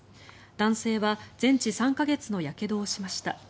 男性は全治３か月のやけどをしました。